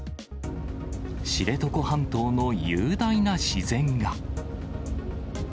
知床半島の雄大な自然が。